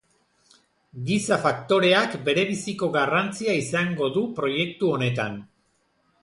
Giza faktoreak berebiziko garrantzia izango du proiektu honetan.